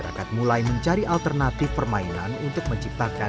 masyarakat mulai mencari alternatif permainan untuk menciptakan